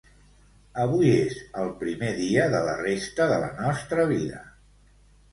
Avui és el primer dia de la resta de la nostra vida.